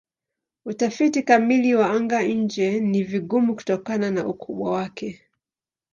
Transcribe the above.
Utafiti kamili wa anga-nje ni vigumu kutokana na ukubwa wake.